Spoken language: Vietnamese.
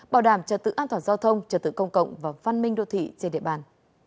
bảo đảm trật tự an toàn giao thông trật tự công cộng và văn minh đô thị trên địa bàn